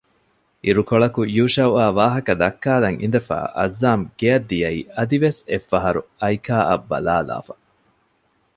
އިރުކޮޅަކު ޔޫޝައުއާ ވާހަކަދައްކާލަން އިނދެފައި އައްޒާމް ގެއަށް ދިޔައީ އަދިވެސް އެއްފަހަރު އައިކާއަށް ބަލާލާފަ